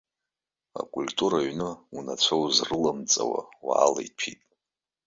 Акультура аҩны унацәа узрыламҵауа уаала иҭәит.